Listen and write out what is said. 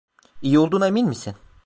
İyi olduğuna emin misin?